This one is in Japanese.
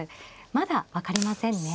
まだ分かりませんね。